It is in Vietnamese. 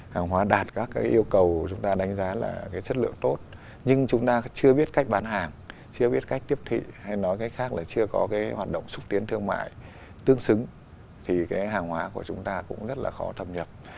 hàng hóa đạt các cái yêu cầu chúng ta đánh giá là cái chất lượng tốt nhưng chúng ta chưa biết cách bán hàng chưa biết cách tiếp thị hay nói cách khác là chưa có cái hoạt động xúc tiến thương mại tương xứng thì cái hàng hóa của chúng ta cũng rất là khó thập nhập